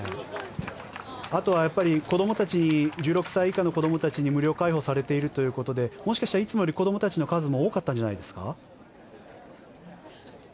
あとは１６歳以下の子どもたちに無料開放されているということでもしかしたらいつもより子どもたちの数も多かったんじゃないですか？